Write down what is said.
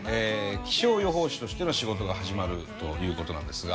気象予報士としての仕事が始まるということなんですが。